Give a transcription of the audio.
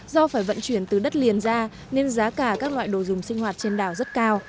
do phải vận chuyển từ đất liền ra nên giá cả các loại đồ dùng sinh hoạt trên đảo rất cao